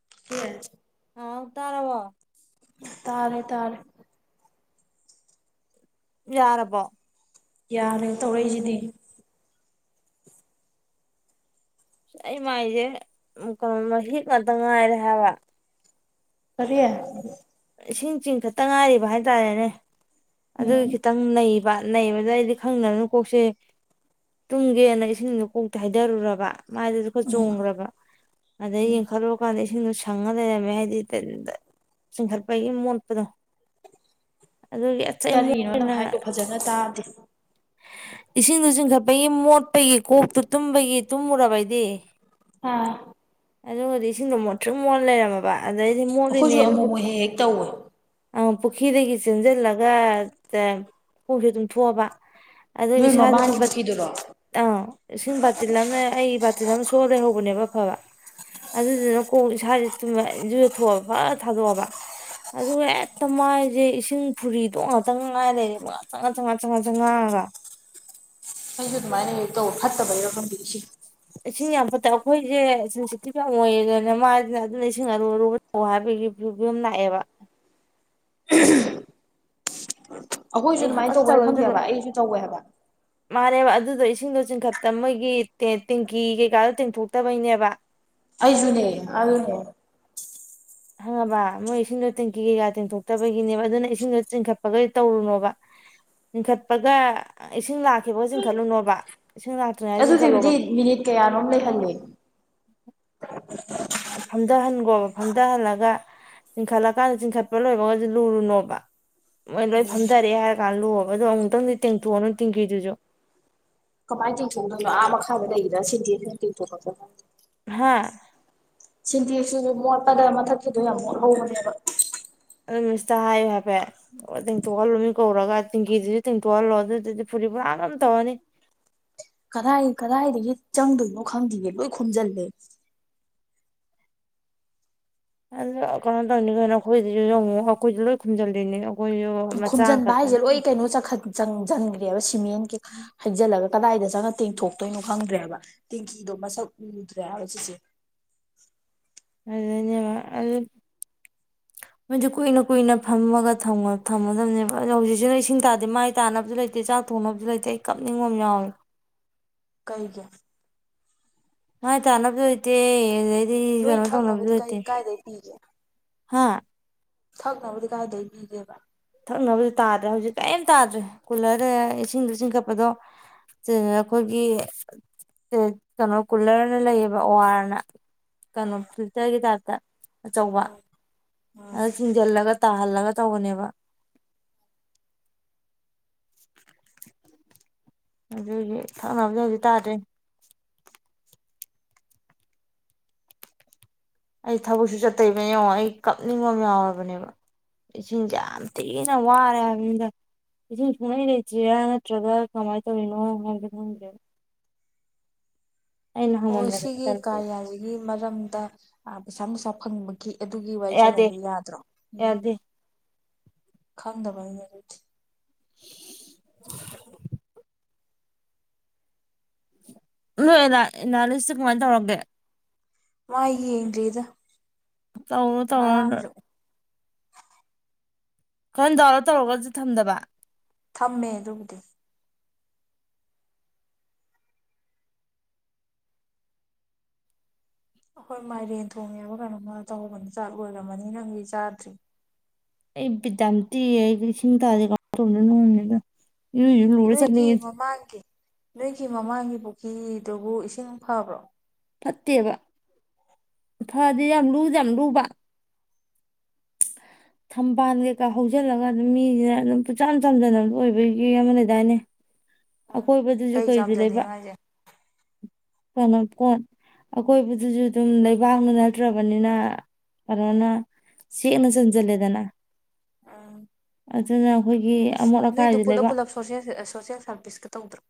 ꯂꯧꯁꯤꯟꯕ ꯉꯝꯗꯕ ꯍꯥꯎ ꯇꯥꯔꯕꯣ ꯇꯥꯔꯦ ꯇꯥꯔꯦ ꯇꯥꯔꯕꯣ ꯌꯥꯔꯦ ꯇꯧꯔꯛꯏꯖꯤꯗꯤ ꯑꯩ ꯃꯥꯏꯖꯦ ꯎꯝ ꯀꯅꯣ ꯃꯍꯤꯛ ꯉꯥꯛꯇ ꯉꯥꯏꯔꯦ ꯍꯥꯏꯕ ꯀꯔꯤ- ꯏꯁꯤꯡ ꯆꯤꯡꯈꯠꯇ ꯉꯥꯏꯔꯤꯕ ꯍꯥꯏꯇꯥꯔꯦꯅꯦ ꯑꯗꯨꯒꯤ ꯎꯝ ꯈꯤꯇꯪ ꯅꯩ- ꯕ ꯅꯩꯕꯗꯣ ꯑꯩꯗꯤ ꯈꯪꯗꯕꯅꯤꯅ ꯀꯣꯛꯁꯦ ꯇꯨꯝꯒꯦꯅ ꯏꯁꯤꯡꯗꯣ ꯀꯣꯛꯇ ꯍꯥꯏꯗꯔꯨꯔꯕ ꯃꯥꯏꯗꯁꯨ ꯈꯔ ꯆꯣꯡꯒ꯭ꯔꯕ ꯑꯗꯩ ꯌꯦꯡꯈꯠꯂꯨꯔ ꯀꯥꯟꯗ ꯑꯩ- ꯏꯁꯤꯡꯗꯣ ꯁꯪꯉ ꯂꯩꯔꯝꯃꯦ ꯍꯥꯏꯗꯤ ꯇꯤꯟ ꯗ ꯆꯤꯡꯈꯠꯄꯒꯤ ꯃꯣꯟꯇꯄꯗꯣ ꯀꯔꯤꯅꯣ ꯅꯪ ꯍꯥꯏꯗꯣ ꯐꯖꯅ ꯇꯥꯗꯦ ꯏꯁꯤꯡꯗꯣ ꯆꯤꯡꯈꯠꯄꯒꯤ ꯃꯣꯠ- ꯄꯒꯤ ꯀꯣꯛꯇꯨ ꯇꯨꯝꯕꯒꯤ ꯇꯨꯝꯃꯨꯔꯕ ꯑꯩꯗꯤ ꯑꯥ ꯑꯗꯨꯒꯗꯤ ꯏꯁꯤꯡꯗꯣ ꯃꯣꯠꯊ꯭ꯔꯤꯛ ꯃꯣꯠ ꯂꯩꯔꯝꯃ- ꯕ ꯑꯗꯩꯗꯤ ꯑꯩꯈꯣꯏꯁꯨ ꯃꯣꯠꯂꯤꯅꯦꯅ ꯑꯃꯨꯛ ꯃꯨꯛ ꯍꯦꯛ ꯍꯦꯛ ꯇꯧꯋꯦ ꯑꯥꯎ ꯄꯨꯈꯤꯗꯒꯤ ꯆꯦꯟꯖꯤꯜꯂꯒ ꯇꯥ ꯈꯣꯡꯁꯨ ꯑꯗꯨꯨꯝ ꯊꯣꯛꯑꯕ ꯑꯗꯨ ꯅꯣꯏ ꯏꯁꯥꯗꯨꯅ ꯃꯃꯥꯡꯒꯤ ꯕꯠ ꯄꯨꯈ꯭ꯔꯤꯗꯨꯔꯣ ꯑꯥ ꯏꯁꯤꯡ ꯕꯥꯇꯤꯜ ꯑꯃꯅ ꯑꯩꯒꯤ ꯕꯥꯇꯤꯜ ꯑꯃ ꯁꯣ- ꯁꯣꯛꯑ ꯂꯩꯍꯧꯕꯅꯦꯕ ꯑꯐꯕ ꯑꯗꯨꯗꯨꯅ ꯀꯣꯛ ꯏꯁꯥꯖꯤ ꯇꯨꯝꯃꯦ ꯏꯔꯨꯖꯊꯣꯛꯑꯕ ꯐꯠ ꯊꯥꯗꯣꯛꯑꯕ ꯑꯗꯨꯒ ꯍꯦꯛꯇ ꯃꯥꯏꯁꯦ ꯏꯁꯤꯡ ꯐꯨꯔꯤꯗꯣ ꯉꯥꯛꯇꯪ ꯉꯥꯏ ꯂꯩꯔꯦ ꯉꯁꯪ ꯉꯁꯪ ꯉꯥꯡꯉꯒ ꯑꯩꯁꯨ ꯑꯗꯨꯃꯥꯏꯅ ꯇꯧ ꯐꯠꯇꯕꯩꯔꯣ ꯈꯪꯗꯦ ꯏꯁꯤꯡ ꯢꯁꯤꯡ ꯌꯥꯝ ꯑ ꯑꯩꯈꯣꯏꯁꯦ ꯁꯤꯦꯟꯁꯤꯇꯤꯚ ꯌꯥꯝ ꯑꯣꯏꯌꯦꯗꯅ ꯃꯥꯁꯤꯅ ꯑꯗꯨꯅ ꯏꯁꯤꯡ ꯑꯔꯨ ꯑꯔꯨꯕ ꯇꯧ ꯍꯥꯏꯕꯒꯤ ꯐꯕꯤꯕꯝ ꯂꯥꯛꯑꯦꯕ ꯑꯩꯈꯣꯏꯁꯨ ꯑꯩ ꯑꯗꯨꯃꯥꯏꯅ ꯍꯥꯀꯠꯆꯕ ꯇꯧꯕꯅ ꯑꯃꯁꯨ ꯈꯪꯗꯦꯕ ꯑꯩꯁꯨ ꯇꯧꯋꯦ ꯍꯥꯏꯕ ꯃꯥꯅꯦꯕ ꯑꯗꯨꯗꯣ ꯏꯁꯤꯡꯗꯣ ꯆꯤꯡꯈꯠꯇ ꯃꯣꯏꯒꯤ ꯇꯦꯡꯀꯤ ꯀꯩꯀꯥꯗꯣ ꯇꯦꯡꯊꯣꯛꯇꯕꯩꯅꯦꯕ ꯑꯩꯁꯨꯅꯦ ꯑꯗꯨꯅꯦ ꯈꯪꯉꯕ ꯃꯣꯏ ꯏꯁꯤꯡꯗꯣ ꯇꯦꯡꯀꯤ ꯀꯩꯀꯥ ꯇꯦꯡꯊꯣꯛꯇꯕꯒꯤꯅꯦꯕ ꯑꯗꯨꯅ ꯏꯁꯤꯡꯗꯣ ꯆꯤꯡꯈꯠꯄꯒ ꯇꯧꯔꯨꯅꯣꯕ ꯆꯤꯡꯈꯠꯄꯒ ꯏꯁꯤꯡ ꯂꯥꯛꯈꯤꯕꯒ ꯆꯤꯡꯈꯠꯂꯨꯅꯣꯕ ꯏꯁꯤꯡ ꯂꯥꯛꯇ꯭ꯔꯤꯉꯩ ꯆꯤꯡꯈꯠꯂꯣꯕ ꯑꯗꯨꯗꯤꯕꯨꯗꯤ ꯃꯤꯅꯤꯠ ꯀꯌꯥꯅꯣꯝ ꯂꯩꯍꯜꯂꯦ ꯐꯝꯊꯍꯟꯈꯣꯕ ꯐꯝꯊꯍꯜꯂꯒ ꯆꯤꯡꯈꯠꯂꯀꯥꯟꯗ ꯆꯤꯡꯈꯠꯄ ꯂꯣꯏꯕꯒꯁ ꯂꯨꯔꯨꯅꯣꯕ ꯃꯣꯏ ꯂꯣꯏ ꯐꯝꯊꯔꯦ ꯍꯥꯏꯔ ꯀꯥꯟ ꯂꯨꯕ ꯑꯣ ꯑꯗꯣ ꯑꯃꯨꯛꯇꯪꯗꯤ ꯇꯦꯡꯊꯣꯛꯑꯅ ꯇꯤꯡꯈꯤꯗꯨꯁꯨ ꯀꯃꯥꯏ ꯇ ꯐꯣ ꯃꯈ ꯈꯔꯗ ꯂꯩꯗ ꯁꯤ ꯍꯥꯥ ꯁꯤꯟꯇꯤꯁꯨ ꯃꯣꯠꯄꯗ ꯃꯊꯛꯇꯗ ꯌꯥꯝ ꯃꯣꯠꯍꯧꯕꯅꯦꯕ ꯑꯗꯨ ꯃꯤꯁꯇ ꯍꯥꯏꯌꯨ ꯍꯥꯏꯐꯦꯠ ꯇꯦꯡꯇꯣꯛꯍꯜꯂꯣ ꯃꯤ ꯀꯧꯔꯒ ꯇꯦꯡꯀꯤꯗꯨꯁꯨ ꯇꯦꯡꯇꯣꯛꯍꯜꯂꯣ ꯑꯗꯨꯗꯨꯗꯤ ꯐꯨꯔꯤ ꯄꯨꯔꯥ ꯑꯗꯨꯝ ꯇꯧꯔꯅꯤ ꯀꯗꯥꯏ ꯀꯗꯥꯏꯗꯒꯤ ꯆꯪꯗꯣꯏꯅꯣ ꯈꯪꯗꯒꯦ ꯂꯣꯏ ꯈꯣꯝꯖꯤꯜꯂꯦ ꯑꯗꯨ ꯀꯅ ꯇꯪꯅꯤ ꯀꯅ ꯑꯩꯈꯣꯏꯗꯨꯁꯨꯉꯣ ꯑꯩꯈꯣꯏꯁꯨ ꯂꯣꯏ ꯈꯨꯝꯖꯜꯂꯤꯅꯦ ꯈꯨꯝꯖꯤꯟꯕ ꯍꯥꯏꯁꯦ ꯂꯣꯏ ꯀꯩꯅꯣ ꯆꯪꯁꯤꯟꯒ [unintelligible] ꯃꯟ ꯀ ꯍꯛꯖꯥ ꯂꯒ ꯀꯗꯥꯏꯗ ꯆꯪꯉ ꯇꯦꯡꯊꯣꯛꯇꯣꯏꯅꯣ ꯈꯪꯗ꯭ꯔꯦꯕ ꯇꯦꯡꯀꯤꯗꯣ ꯃꯁꯛ ꯎꯗ꯭ꯔꯦꯕ ꯁꯤꯁꯦ ꯑꯗꯨꯅꯦꯕ ꯃꯣꯏꯁꯨ ꯀꯨꯏꯅ ꯀꯨꯏꯅ ꯐꯝꯃꯒ ꯊꯝꯒꯗꯕꯅꯦꯕ ꯑꯣ ꯍꯧꯖꯤꯛꯁꯤꯅ ꯏꯁꯤꯡ ꯇꯥꯗꯦ ꯃꯥꯏ ꯇꯥꯅꯕꯁꯨ ꯂꯩꯇꯦ ꯆꯥꯛ ꯊꯣꯡꯅꯕꯁꯨ ꯂꯩꯇꯦ ꯑꯩ ꯀꯞꯅꯤꯡꯕ ꯑꯃ ꯌꯥꯎꯏꯦ ꯀꯩ ꯀꯦ ꯑ ꯇꯅ ꯑꯗꯨ ꯁꯤ ꯅꯣꯏ ꯀꯩꯅꯣ ꯇꯧꯅꯕꯁꯨ ꯊꯛꯅꯕꯗꯤ ꯂꯩꯇꯦ ꯀꯥꯏꯗꯩ ꯄꯤꯒꯦ ꯍꯥ ꯊꯛꯅꯕꯗꯤ ꯀꯥꯏꯏꯗꯒꯤꯩ ꯄꯒꯦꯕ ꯊꯛꯅꯕꯗꯤ ꯇꯥꯗ꯭ꯔꯦ ꯍꯧꯖꯤꯛ ꯀꯔꯤꯝ ꯇꯥꯗ꯭ꯔꯦ ꯀꯨꯜꯂꯔꯗ ꯏꯁꯤꯡꯗꯣ ꯆꯤꯡꯈꯠꯄꯗꯣ ꯑꯩꯈꯣꯏꯒꯤ ꯀꯩꯅꯣ ꯀꯨꯂꯔꯅ ꯂꯩꯌꯦꯕ ꯑꯣ ꯑꯥꯔꯅ ꯀꯩꯅꯣ ꯐꯤꯜꯇꯔꯒꯤ ꯇꯥꯏꯞꯇ ꯑꯆꯧꯕ ꯑ ꯊꯤꯡꯖꯜꯂꯒ ꯇꯥꯍꯜꯂꯒ ꯇꯧꯕꯅꯦꯕ ꯑꯗꯨꯗꯤ ꯊꯥꯎꯅꯕꯗꯤ ꯍꯧꯖꯤꯗꯤ ꯇꯥꯗ꯭ꯔꯦ ꯑꯩ ꯊꯕꯛꯁꯨ ꯆꯠꯇꯣꯏꯕ ꯌꯦꯡꯉꯣ ꯑꯩ ꯀꯞꯅꯤꯡꯕ ꯑꯃ ꯌꯥꯎꯔꯕꯅꯦꯕ ꯏꯁꯤꯡꯁꯦ ꯌꯥꯝ ꯊꯤꯅ ꯋꯥꯔꯦ ꯍꯥꯏꯕꯅꯤꯗ ꯏꯁꯤꯡ ꯁꯨꯡꯂꯩ ꯂꯩꯇ꯭ꯦꯔꯥ ꯅꯠꯇ꯭ꯔꯒ ꯀꯃꯥꯏꯅ ꯇꯧꯔꯤꯅꯣ ꯍꯥꯏꯕ ꯈꯪꯗꯦꯕ ꯑꯣ ꯁꯤꯒꯤ ꯀꯥ ꯌꯥꯔꯤꯒꯤ ꯃꯔꯝꯗ ꯑ ꯄꯩꯁꯥ ꯅꯨꯡꯁꯥ ꯐꯪꯕꯒꯤ ꯑꯗꯨꯒꯤ ꯋꯥꯔꯤ ꯌꯥꯗꯦ ꯁꯥꯠꯍꯗꯤ ꯌꯥꯗ꯭ꯔꯣ ꯎꯝ ꯌꯥꯗꯦ ꯈꯪꯗꯕꯅꯗꯤ [unintelligible] ꯂ ꯂꯤꯁ ꯀꯃꯥꯏꯅ ꯇꯧꯔꯣꯒꯦ ꯃꯥꯏ ꯀꯔꯤꯗ ꯇꯧꯅ‌ꯣ ꯇꯧꯅ‌ꯣ ꯅ‌ꯣꯏ ꯈꯔ ꯗꯥꯎꯟꯂ‌ꯣꯠ ꯇꯧꯔꯒꯁꯨ ꯊꯝꯗꯕ ꯊꯝꯃꯦ ꯑꯗꯨꯕꯨꯗꯤ ꯑꯩꯈꯣꯏ ꯃꯥꯏꯔꯦꯟ ꯊꯣꯡꯉꯦꯕ ꯀꯩꯅꯣꯃ ꯇꯧꯕꯅꯤ ꯆꯥ ꯂꯣꯏꯔꯝꯃꯅꯤ ꯅꯪꯗꯤ ꯆꯥꯗ꯭ꯔꯤ ꯑꯩ ꯕꯤꯠ ꯌꯥꯝ ꯇ‌ꯦꯛꯑꯦ ꯑꯩꯗꯤ ꯏꯁꯤꯡ ꯇꯥꯗ‌ꯦ ꯀꯃꯥꯏ ꯇꯧꯗꯨꯏꯅ‌ꯣ ꯈꯪꯗ‌ꯦꯗꯥ ꯅꯣꯏꯒꯤ ꯃꯃꯥꯡꯒꯤ ꯅꯣꯏꯒꯤ ꯃꯃꯥꯡꯒꯤꯕꯨ ꯐꯤꯗꯨꯕꯨ ꯏꯁꯤꯡ ꯐꯕ꯭ꯔꯣ ꯐꯠꯇ‌ꯦꯕ ꯐꯗꯤ ꯌꯥꯝ ꯂꯨꯁꯨ ꯌꯥꯝ ꯂꯨꯕ ꯊꯝꯕꯥꯜ ꯀꯩꯀꯥ ꯍꯧꯖꯤꯜꯂꯒ ꯑꯗꯨꯝ ꯃꯤꯁꯤꯅ ꯑꯗꯨꯝ ꯄꯨꯆꯝ ꯆꯝꯖꯟꯅꯕꯗ‌ꯣ ꯑꯣꯏꯕꯒꯤ ꯑꯃ ꯂꯩꯗꯥꯏꯅꯦ ꯑꯀꯣꯏꯕꯗꯨꯁꯨ ꯀꯩ ꯀꯩꯁꯨ ꯂꯩꯕ ꯍꯥꯏꯁꯦ ꯀꯩꯅꯣ ꯀꯣꯟ ꯑꯀꯣꯏꯕꯗꯨꯁꯨ ꯑꯗꯨꯝ ꯂꯩꯕꯥꯛꯅ ꯅꯠꯇ꯭ꯔꯕꯅꯤꯅ ꯀꯩꯅꯣꯅ ꯆꯦꯛꯅ ꯆꯟꯁꯤꯜꯂꯦꯗꯅ ꯎ ꯑꯗꯨꯅ ꯑꯩꯈꯣꯏꯒꯤ ꯑꯃꯣꯠ ꯅꯣꯏꯗ ꯑꯀꯥꯏꯗꯤ ꯄꯨꯂꯞ ꯂꯩꯕꯥꯛ ꯄꯨꯂꯞ ꯁꯣꯁ‌ꯦꯜ ꯁ‌ꯣꯁ‌ꯦꯜ ꯁꯥꯔꯚꯤꯁ ꯀ ꯇꯧꯗ꯭ꯔꯣ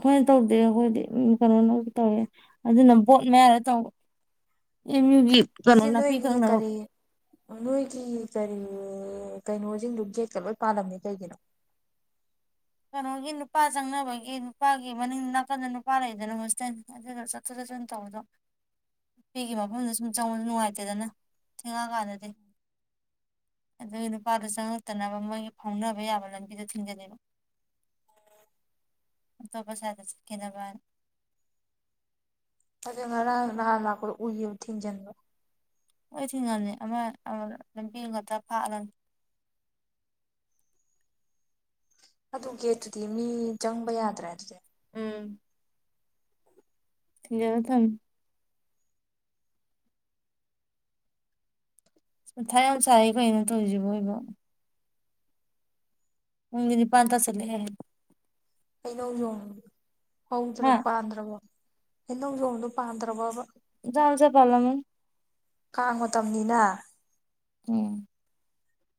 ꯑꯩꯈꯣꯏꯅ ꯇꯧꯗꯦ ꯑꯩꯈꯣꯏꯗꯤ ꯀꯩꯅꯣꯅ ꯇꯧꯋꯦ ꯑꯗꯨꯅ ꯕꯣꯠ ꯃꯌꯥꯗ ꯇꯧꯕ ꯑꯦꯝ ꯌꯨꯒꯤ ꯀꯩꯅꯣ ꯁꯤꯁꯤ ꯅꯥꯄꯤ ꯅꯣꯏꯒꯤ ꯀꯪꯅꯕ ꯀꯔꯤ ꯅꯣꯏꯒꯤ ꯀꯔꯤ ꯀꯩꯅꯣꯁꯤꯡꯗꯨ ꯒꯦꯠꯀ ꯂꯣꯏ ꯄꯥꯜꯂꯝꯃ‌ꯦ ꯀꯩꯒꯤꯅꯣ ꯀꯩꯅꯣꯒꯤ ꯅꯨꯄꯥ ꯆꯪꯅꯕꯒꯤ ꯅꯨꯄꯥꯒꯤ ꯃꯅꯤꯡ ꯅꯥꯀꯟꯗ ꯅꯨꯄꯥ ꯂꯩꯗꯅ ꯍ‌ꯣꯁꯇꯦꯟ ꯑꯗꯨꯗ ꯆꯠꯊꯣꯛ ꯆꯠꯁꯤꯟ ꯇꯧꯕꯗꯣ ꯅꯨꯄꯤꯒꯤ ꯃꯐꯝꯗ ꯁꯨꯝ ꯆꯪꯕꯁꯨ ꯅꯨꯡꯉꯥꯏꯇꯦꯗꯅ ꯊꯦꯡꯉꯛꯑꯀꯥꯟꯗꯗꯤ ꯑꯗꯨꯒꯤ ꯅꯨꯄꯥꯗ ꯆꯪꯉꯛꯇꯅꯕ ꯃꯣꯏꯒꯤ ꯐꯥꯎꯅꯕ ꯌꯥꯕ ꯂꯝꯕꯤꯗꯣ ꯊꯤꯡꯖꯜꯂꯤꯕ ꯇꯣꯞꯄ ꯁꯥꯏꯠꯗ ꯆꯠꯈꯤꯅꯕꯅꯥ ꯑꯗꯨ ꯉꯔꯥꯡ ꯅꯍꯟ ꯂꯥꯛꯄꯗ ꯎꯏꯌ‌ꯦꯕ ꯊꯤꯡꯖꯟꯕ ꯍ‌ꯣꯏ ꯊꯤꯡꯉꯝꯅꯤ ꯑꯃ ꯂꯝꯕꯤ ꯑꯝꯈꯛꯇ ꯐꯥꯛꯂꯒ ꯑꯗꯨ ꯒꯦꯠꯇꯨꯗꯤ ꯃꯤ ꯆꯪꯕ ꯌꯥꯗ꯭ꯔꯦ ꯑꯗꯨꯗꯤ ꯎꯝ ꯊꯤꯡꯖꯤꯜꯂ ꯊꯝꯃꯦ ꯃꯊꯥ ꯌꯥꯝ ꯁꯥꯥꯏꯌ‌ꯦ ꯀꯩꯅꯣ ꯇꯧꯁꯤꯕꯨ ꯑꯣꯏꯕꯨ ꯄꯨꯡꯗꯤ ꯅꯤꯄꯥꯜ ꯇꯥꯁꯤꯜꯂꯛꯑꯦ ꯍ‌ꯦ ꯍꯩꯅꯧꯖ‌ꯣꯝ ꯍꯧꯗ꯭ꯔ ꯍꯥ ꯄꯥꯟꯗ꯭ꯔꯕꯣ ꯍꯩꯅꯧꯖꯣꯝꯗꯣ ꯄꯥꯟꯗ꯭ꯔꯕꯕ ꯃꯆꯥ ꯃꯆꯥ ꯄꯥꯜꯂꯝꯃꯅꯤ ꯀꯥꯡ ꯃꯇꯝꯅꯤꯅ ꯎꯝ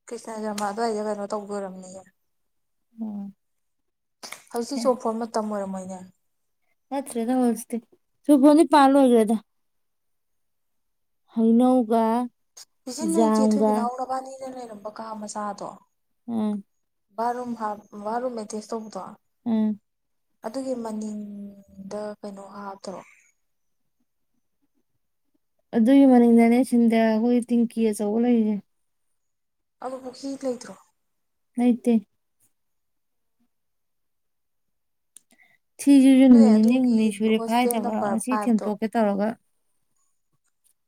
ꯀ꯭ꯔꯤꯁꯅꯖꯔꯃꯥ ꯑꯗꯨꯋꯥꯏꯗ ꯀꯩꯅꯣ ꯇꯧꯗꯣ ꯑꯣꯏꯔꯝꯅꯤꯌꯦ ꯎꯝ ꯍꯧꯖꯤꯛꯁꯨ ꯆꯨꯔꯐꯣꯟ ꯃꯇꯝ ꯑꯣꯏꯔꯝꯃ‌ꯣꯏ [unintelligible] ꯅꯠꯇꯔ‌ꯦꯗ ꯍꯧꯖꯤꯛꯇꯤ ꯆꯨꯔꯐ‌ꯣꯟꯗꯤ ꯄꯥꯜ ꯂ‌ꯣꯏꯒ꯭ꯔꯦꯗ ꯍꯩꯅꯧꯒ ꯏꯆ‌ꯦ ꯅꯣꯏ ꯆ‌ꯦ ꯖꯥꯝꯒ ꯊꯣꯏꯕꯤꯅꯥꯎ ꯅꯕꯥꯅꯤ ꯅ ꯂꯩꯔꯝꯕ ꯀꯥ ꯃꯆꯥꯗꯣ ꯎꯝ ꯕꯥꯔꯨꯝ ꯐ ꯕꯥꯔꯠꯔꯨꯝ ꯑꯦꯇ‌ꯦꯁ ꯇꯧꯕꯗ‌ꯣ ꯎꯝ ꯑꯗꯨꯒꯤ ꯃꯅꯤꯡꯗ ꯀꯩꯅꯣ ꯍꯥꯞꯇ꯭ꯔꯣ ꯑꯗꯨꯒꯤ ꯃꯅꯤꯡꯗꯅꯦ ꯁꯤꯟꯗ ꯑꯩꯈꯣꯏ ꯇꯤꯡꯀꯤ ꯑꯆꯧꯕ ꯂꯩꯔꯤꯅꯦ ꯑꯕꯨ ꯍ ꯂꯩꯗ꯭ꯔꯣ ꯑꯥꯏ ꯇ ꯁꯤꯁꯤꯁꯨ ꯅꯣꯏ ꯅꯨꯃꯤꯠ ꯅꯤꯅꯤ ꯑꯗꯨꯒꯤ ꯍꯨꯝꯅꯤ ꯁꯨꯔꯦ ꯍꯣꯁꯇꯦꯜ ꯐꯥꯏꯗꯕ ꯅꯝꯕꯔ ꯉꯁꯤ ꯐꯥꯏꯚꯇꯣ ꯊꯦꯡꯇꯣꯛꯀꯦ ꯇꯧꯔꯒ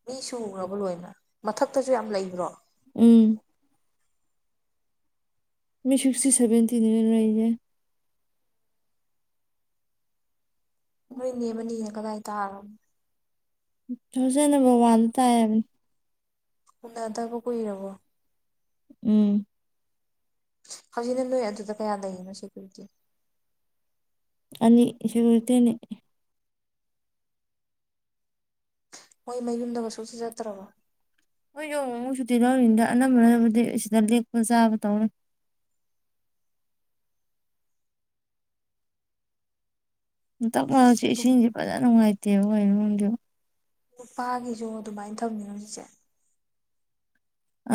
ꯃꯤ ꯁꯨꯔꯕ ꯂꯣꯏꯅ ꯃꯊꯛꯇꯁꯨ ꯌꯥꯝ ꯂꯩꯕ꯭ꯔꯣ ꯎꯝ ꯃꯤ ꯁꯤꯤꯁꯇꯤ ꯁꯦꯚꯦꯟꯇꯤꯤꯟꯔꯅ ꯔꯦ ꯅꯈꯣꯏ ꯅꯦꯝꯕꯅꯤꯅ ꯀꯗꯥꯏ ꯇꯥꯔꯣꯅꯣ ꯍꯧꯁꯦꯅꯕꯨ ꯃꯥꯟ ꯇ ꯍꯥꯏ ꯎꯟꯅꯗꯕꯣ ꯀꯔꯔꯕꯣ ꯎꯝ ꯍꯧꯖꯤꯛꯅ ꯅꯣꯏ ꯑꯗꯨꯗ ꯀꯌꯥ ꯂꯩꯔꯤꯅꯣ ꯁꯦꯀꯌꯨꯔꯤꯇꯤ ꯑ ꯁꯤꯒꯇꯅꯦ ꯃꯣꯏ ꯃꯌꯨꯝꯗꯒꯁꯨꯁꯨ ꯆꯠꯇ꯭ꯔꯕ ꯍꯣꯏ ꯌꯦꯡꯉ ꯑꯃꯨꯛ ꯁꯨꯇꯤ ꯂꯧꯔꯤꯉꯗ ꯑꯅꯝꯕꯅꯕꯨꯗꯤ ꯁꯤꯗ ꯂꯦꯛꯄ ꯆꯥꯕ ꯇꯧꯔꯦ ꯇꯁꯤꯁꯤꯡꯁꯤꯦ ꯐꯖꯅꯅꯨꯡꯉꯥꯏꯦ ꯗꯕ ꯍꯥꯏꯅꯒꯣ ꯅꯨꯄꯥꯒꯤꯁꯨ ꯑꯗꯨꯃꯥꯏꯅ ꯊꯝꯅꯤꯅ ꯍꯧꯖꯤꯛꯁꯦ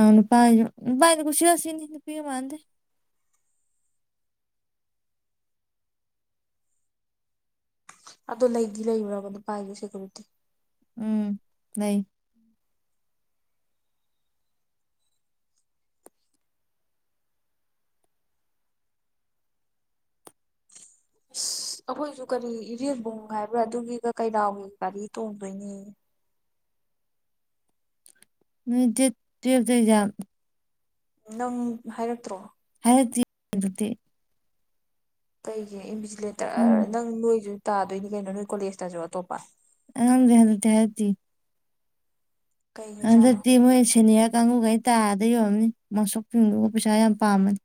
ꯑꯅ ꯄ ꯄꯅ ꯀꯁꯤ ꯍꯁꯤꯅꯤꯄꯤꯤ ꯃꯥꯅꯗ ꯑꯗꯨ ꯂꯩꯗꯤ ꯂꯩꯔꯨꯔꯕ ꯑꯗꯨ ꯄꯥꯏꯒꯦ ꯁꯦꯀꯌꯨꯔꯤꯇꯤ ꯎꯝ ꯂꯩ ꯑꯁ ꯑꯩꯈꯣꯏꯁꯨ ꯀꯔꯤ ꯏꯔꯕꯨꯡ ꯍꯥꯏꯕ꯭ꯔꯥ ꯑꯗꯨꯒꯤꯒ ꯀꯩꯔꯥꯎꯒꯤ ꯒꯥꯔꯤ ꯇꯣꯡꯗꯣꯏꯅꯤ ꯅꯣꯏ ꯗꯦꯠ ꯇꯨꯋꯜ ꯑꯦꯖꯝ ꯅꯪ ꯍꯥꯏꯔꯛꯇ꯭ꯔꯣ ꯦ ꯇꯩꯌꯦꯦ ꯏ ꯂꯦꯇꯔ ꯈꯪꯗꯦ ꯅꯪ ꯂꯣꯏꯁꯨꯣꯏ ꯇꯥꯗꯣꯏꯅꯤ ꯀꯩꯅꯣ ꯅꯣꯏ ꯀꯣꯂꯦꯖꯇꯁꯨ ꯑꯇꯣꯞꯄ ꯑꯗ ꯍꯥꯏ ꯇ ꯍꯥꯏꯗꯤ ꯑꯗ ꯀꯩꯅꯣꯖꯥꯠꯅꯣ ꯇ ꯃꯣꯏ ꯁꯤꯅꯤꯌꯥ ꯀ ꯀꯥꯡꯉ ꯀꯥꯏ ꯇꯥꯗ ꯌꯧꯔꯝꯅꯤ ꯃꯁꯛ ꯐꯤꯡꯒꯒ ꯄꯩꯁꯥ ꯌꯥꯝ ꯄꯥꯝꯃꯅꯤ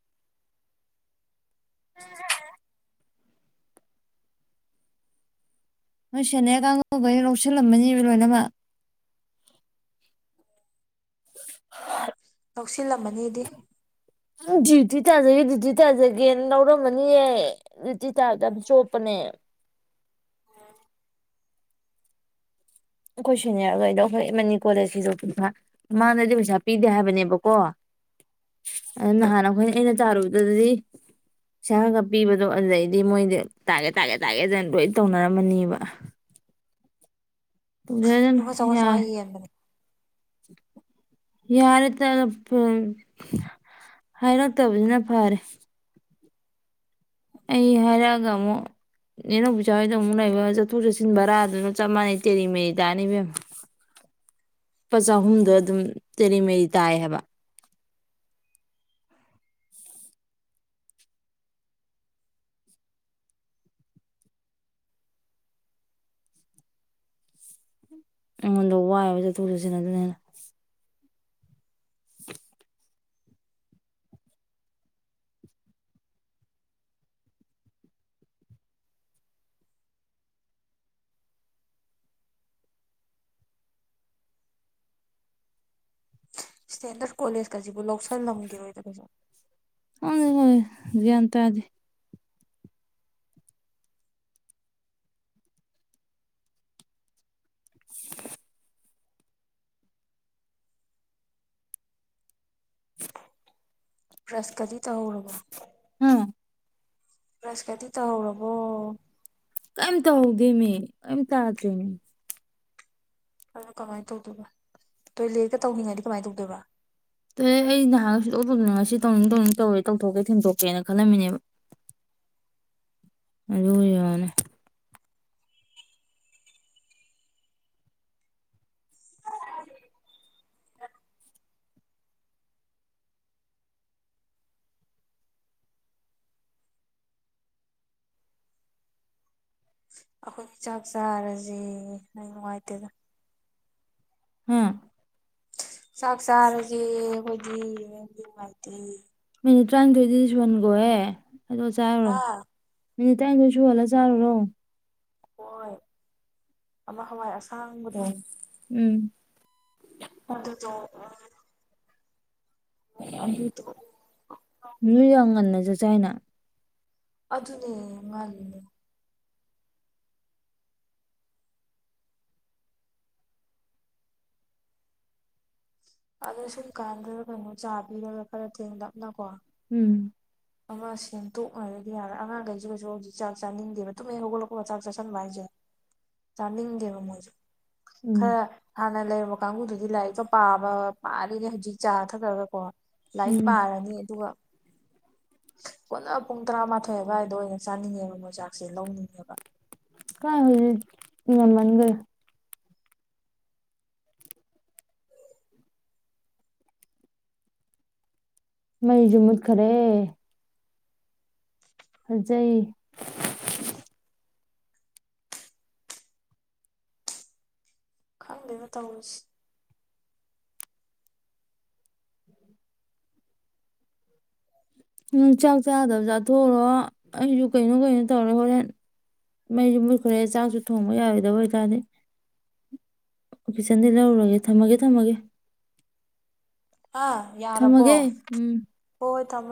ꯅꯣꯏꯁꯅꯦ ꯀꯥꯡꯉꯧꯕꯒꯤ ꯂꯧꯁꯤꯜꯂꯝꯃꯅꯦꯕ ꯂꯣꯏꯅꯃꯛ ꯂꯧꯧꯁꯤꯜꯂꯝꯃꯅꯤꯗꯤ ꯗ꯭ꯌꯨꯇꯤ ꯇꯥꯖꯒꯦ ꯗ꯭ꯌꯨꯇꯤ ꯇꯥꯖꯒꯦꯅ ꯂꯧꯔꯝꯃꯅꯤꯌꯦꯦ ꯗ꯭ꯌꯨꯇꯤ ꯇꯥꯕꯗ ꯆꯣꯞꯄꯅꯦ ꯑꯩꯈꯣꯏ ꯁꯨꯅꯤꯌꯔꯗꯩꯗꯣ ꯑꯩꯈꯣꯏ ꯑꯃꯅꯤꯅꯤ ꯀꯣꯂꯦꯖꯁꯤꯗ ꯄꯩꯁꯥ ꯃꯃꯥꯡꯗꯗꯤ ꯄꯩꯁꯥ ꯄꯤꯗꯦ ꯍꯥꯏꯕꯅꯦꯕꯀꯣ ꯑꯗꯨ ꯅꯍꯥꯟ ꯑꯩꯈꯣꯏꯅ ꯑꯩꯅ ꯇꯥꯔꯨꯕꯗꯗꯗꯤ ꯄꯩꯁꯥꯒ ꯄꯤꯕꯗꯣ ꯑꯗꯨꯗꯩꯗꯤ ꯃꯣꯏꯗꯤ ꯇꯥꯒꯦ ꯇꯥꯒꯦ ꯇꯥꯒꯦ ꯑꯗꯨꯅ ꯂꯣꯏ ꯇꯧꯅꯔꯝꯃꯅꯦꯕ ꯇꯖꯗꯅ ꯂꯨꯄꯥ ꯆꯥꯝꯃꯉꯥ ꯌꯥꯏ ꯆꯥꯝꯃꯉꯥ ꯌꯦꯟꯕꯅꯦ ꯌꯥꯔꯦ ꯇ ꯍꯥꯏꯔꯛꯇꯕꯁꯤꯅ ꯐꯔꯦ ꯑꯩ ꯍꯥꯏꯔꯛꯑꯒ ꯑꯃꯨꯛ ꯌꯦꯅꯧꯄꯤꯆꯥꯍꯣꯏꯗꯣ ꯑꯃꯨꯛ ꯂꯩꯕ ꯆꯠꯊꯣꯛ ꯆꯠꯁꯤꯟ ꯕꯔꯥꯗꯨꯅ ꯆꯞ ꯃꯥꯟꯅꯩ ꯇꯦꯔꯤ ꯃꯦꯔꯤ ꯇꯥꯅꯤꯕꯦꯝ ꯂꯨꯄꯥ ꯆꯍꯨꯝꯗꯣ ꯑꯗꯨꯝ ꯇꯦꯔꯤ ꯃꯦꯔꯤ ꯇꯥꯏ ꯍꯥꯏꯕ ꯑꯩꯉꯣꯟꯗ ꯋꯥꯏꯑꯕ ꯆꯇꯨ ꯆꯨꯁꯤꯅ ꯑꯗꯨꯅꯦꯅ ꯏꯁꯇꯦꯟꯗꯔꯠ ꯀꯣꯂꯦꯖꯀꯁꯤꯕꯨ ꯂꯧꯁꯜꯂꯝꯈꯤꯔꯣꯏꯗ ꯀꯩꯁꯨ ꯑ ꯭ꯟ ꯇꯗꯤ ꯁꯥꯔꯠ꯭ [inaudible] ꯐ꯭ꯔꯁꯀꯔꯤ ꯇꯧꯔꯕꯕꯣ ꯑ ꯁ ꯀꯗꯤ ꯇꯧꯕꯣ ꯀꯩꯝ ꯇꯧꯍꯧꯗꯦ ꯃꯤ ꯀꯩꯝ ꯇꯥꯗ꯭ꯔꯦꯅꯦ ꯑꯗꯣ ꯀꯃꯥꯏꯅ ꯇꯧꯗꯣꯏꯕ ꯇꯣꯏꯂꯦꯠꯀ ꯇꯧꯅꯤꯡꯉꯥꯏꯗꯤ ꯀꯃꯥꯏꯅ ꯇꯧꯗꯣꯏꯕꯥ ꯑꯦ ꯑꯩ ꯅꯍꯥꯟ ꯑꯣꯏꯕꯗꯨꯅ ꯉꯁꯤ ꯇꯧꯅꯤꯡ ꯇꯧꯅꯤꯡ ꯇꯧꯔꯦ ꯇꯧꯊꯣꯛꯀꯦ ꯊꯦꯡꯗꯣꯛꯀꯦꯅ ꯈꯜꯂꯝꯃꯤꯅꯦꯕ ꯑꯗꯨ ꯑꯣꯏꯅꯦ ꯑꯩꯈꯣꯏꯒꯤ ꯆꯥꯛ ꯆꯥꯔꯁꯤ ꯅꯪ ꯅꯨꯡꯉꯥꯏꯇꯦꯗ ꯍꯥꯝ ꯁꯥꯆꯔꯖꯤ ꯍꯧꯣꯏ ꯃꯥꯤ ꯃꯤꯅꯤ ꯇꯔꯥꯅꯤꯊꯣꯏꯗꯤꯗꯤꯁꯨ ꯐꯟꯒꯣꯋꯦ ꯑꯗꯣ ꯆꯥꯕꯔꯣ ꯍꯥ ꯃꯤꯅꯤꯠ ꯇꯔꯥꯅꯤꯗꯣꯏ ꯁꯨꯍꯜꯂ ꯆꯥꯔꯨꯔꯣ ꯍꯣꯏ ꯑꯃ ꯍꯋꯥꯏ ꯑꯁꯥꯡꯕꯨꯗ ꯎꯝ ꯃꯗꯣ ꯑ ꯇ ꯃꯤꯑꯣ ꯑꯒꯟꯅꯁꯨ ꯆꯥꯏꯅ ꯑꯗꯨꯅꯦ ꯃꯥꯜꯂꯤꯅꯦ ꯑꯣ ꯁꯤꯨꯝꯀꯥꯟꯗ ꯀꯩꯅꯣ ꯆꯥꯕꯤꯔꯒ ꯈꯔ ꯊꯦꯡꯂꯞꯅꯀꯣ ꯎꯝ ꯑꯃ ꯁꯦꯝꯇꯣꯛꯅꯔꯒꯗꯤ ꯌꯥꯔꯦ ꯑꯉꯥꯡꯈꯩꯁꯨ ꯀꯩꯁꯨ ꯍꯧꯖꯤꯛ ꯆꯥꯛ ꯆꯥꯅꯤꯡꯗꯦꯕ ꯇꯨꯍꯩ ꯍꯧꯒꯠꯂꯛꯄꯄ ꯆꯥꯛ ꯆꯥꯥꯁꯟꯕ ꯍꯥꯏꯁꯦ ꯆꯥꯅꯤꯡꯗꯦꯕ ꯃꯣꯏꯁꯨ ꯈ ꯎꯝ ꯍꯥꯟꯅ ꯂꯩꯔꯝꯕ ꯀꯥꯡꯕꯨꯗꯨꯗꯤ ꯂꯥꯏꯔꯤꯛꯀ ꯄꯥꯕ ꯄꯥꯔꯤꯅꯦ ꯍꯧꯖꯤꯛ ꯆꯥ ꯊꯛꯊꯔꯒ ꯀꯣ ꯂꯥꯏꯔꯤꯛ ꯎꯝ ꯄꯥꯔꯅꯤ ꯑꯗꯨꯒ ꯀꯅ ꯄꯨꯡ ꯇꯔꯥꯃꯥꯊꯣꯏ ꯑꯗꯨꯋꯥꯏꯗ ꯑꯣꯏꯅ ꯆꯥꯅꯤꯡꯉꯦꯕ ꯃꯣꯏꯆꯥꯛꯁꯦ ꯂꯧꯅꯤꯡꯉꯦꯕ ꯑ ꯃꯟꯗꯦ ꯃꯖꯃꯠ ꯈꯔꯦ ꯍꯧꯖꯩ ꯈꯪꯗꯅ ꯇꯧꯔꯁꯤ ꯅꯪ ꯆꯥꯛ ꯆꯥꯗꯕ ꯆꯥꯊꯣꯛꯎꯔꯣ ꯑꯩꯁꯨ ꯀꯩꯅꯣ ꯀꯩꯅꯣ ꯇꯧꯔ ꯍꯣꯔꯦꯟ ꯃꯩꯁꯨ ꯃꯨꯠꯈ꯭ꯔꯦ ꯆꯥꯛꯁꯨ ꯊꯣꯡꯕ ꯌꯥꯔꯣꯏꯗꯕ ꯑꯣꯏꯇꯥꯔꯗꯤ ꯀꯤꯆꯟꯗꯤ ꯂꯧꯔꯔꯒꯦ ꯊꯝꯃꯒꯦ ꯊꯝꯃꯒꯦ ꯑꯥ ꯌꯥꯔꯕꯣ ꯊꯝꯃꯒꯦ ꯎꯝ ꯍꯣꯏ ꯇꯝ